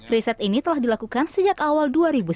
riset ini telah dilakukan sejak awal dua ribu sembilan belas